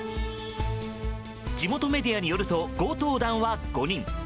地元メディアによると強盗団は５人。